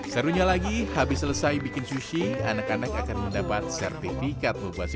serunya lagi habis selesai bikin sushi anak anak akan mendapat sertifikat membuat susu